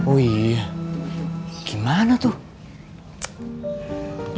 wih gimana tuh